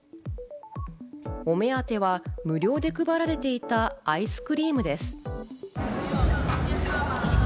お目当ては無料で配られていた、アイスクリームです。